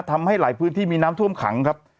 ทำให้หลายพื้นที่มีน้ำท่วมขังครับ